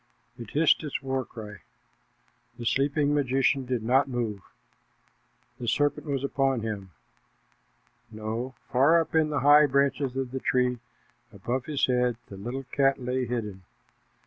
It hissed its war cry. The sleeping magician did not move. The serpent was upon him no, far up in the high branches of the tree above his head the little cat lay hidden.